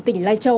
tỉnh lai châu